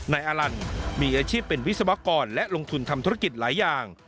นายอาลันมีอาชีพเป็นวิศวกรและลงทุนทำธุรกิจหลายอย่าง